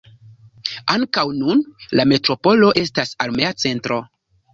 Ankaŭ nun la metropolo estas armea centro.